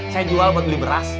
saya jual buat beli beras